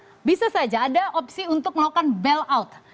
yang kedua bisa saja bisa saja bisa saja ada opsi untuk melakukan berubah